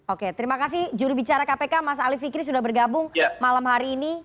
oke terima kasih jurubicara kpk mas ali fikri sudah bergabung malam hari ini